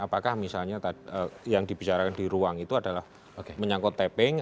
apakah misalnya yang dibicarakan di ruang itu adalah menyangkut tapping